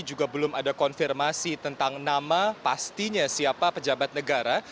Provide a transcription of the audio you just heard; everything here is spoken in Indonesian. juga belum ada konfirmasi tentang nama pastinya siapa pejabat negara